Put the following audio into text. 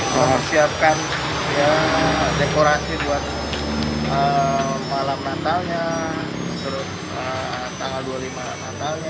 kita siapkan dekorasi buat malam natalnya tanggal dua puluh lima natalnya